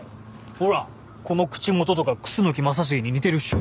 ほらこの口元とか楠木正成に似てるっしょ。